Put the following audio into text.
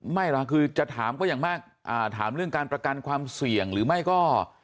เหรอคือจะถามก็อย่างมากถามเรื่องการประกันความเสี่ยงหรือไม่ก็